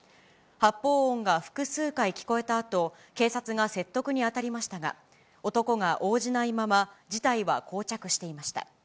発砲音が複数回聞こえたあと、警察が説得に当たりましたが、男が応じないまま事態はこう着していました。